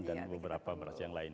dan beberapa beras yang lain